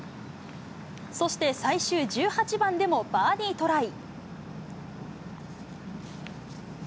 そして最終１８番でもバーディートライ。